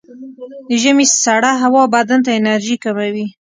د ژمي سړه هوا بدن ته انرژي کموي.